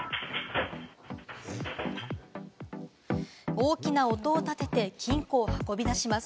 大きな音を立てて金庫を運び出します。